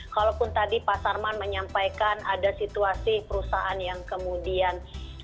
kalaupun tadi pak sarman menyampaikan ada situasi perusahaan yang kemudian